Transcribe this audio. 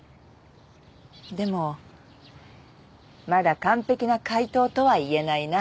でもまだ完璧な解答とは言えないな。